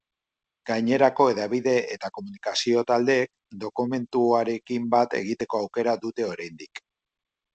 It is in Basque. Gainerako hedabide eta komunikazio taldeek dokumentuarekin bat egiteko aukera dute oraindik.